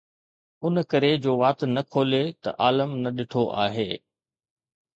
ان ڪري جو وات نه کولي ته عالم نه ڏٺو آهي